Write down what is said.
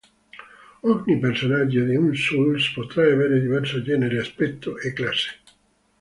Ogni personaggio di un Souls potrà avere diverso genere, aspetto, e classe.